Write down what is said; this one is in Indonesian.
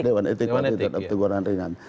dewan etik teguran ringan